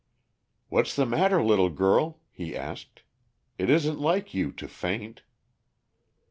"What's the matter, little girl?" he asked. "It isn't like you to faint."